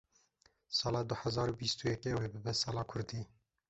sala du hezar û bîst û yekê ew ê bibe sala kurdî.